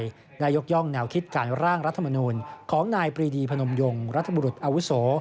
ได้ยกย่องแนวคิดการร่างรัฐมนูลของนายปรีดีพนมยงรัฐบุรุษอาวุโส